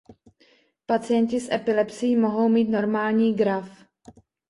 Pacienti s epilepsií mohou mít normální graf.